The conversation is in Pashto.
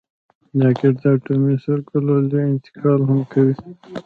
راکټ د اټومي سرګلولې انتقال هم کوي